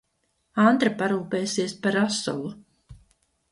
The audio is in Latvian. Antra parūpesies par rasolu.